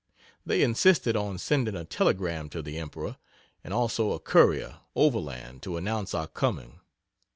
They insisted on sending a telegram to the Emperor, and also a courier overland to announce our coming.